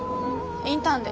インターンで。